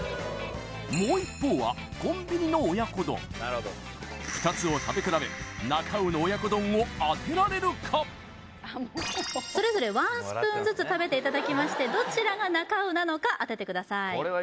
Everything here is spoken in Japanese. もう一方は２つを食べ比べそれぞれワンスプーンずつ食べていただきましてどちらがなか卯なのか当ててください